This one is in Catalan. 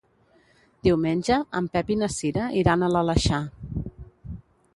Diumenge en Pep i na Cira iran a l'Aleixar.